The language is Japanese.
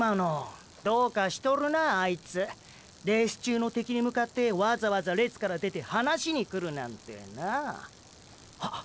どうかしとるなあいつレース中の敵に向かってわざわざ列から出て話しにくるなんてなハッ！